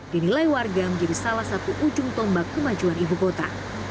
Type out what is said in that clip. dinilai warga menjadi salah satu ujung tombak kemajuan ibu kota